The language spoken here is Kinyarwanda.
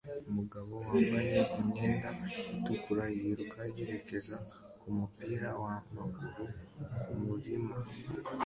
Umugabo wambaye imyenda itukura yiruka yerekeza kumupira wamaguru kumurima